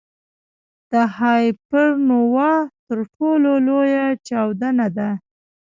د هایپرنووا تر ټولو لویه چاودنه ده.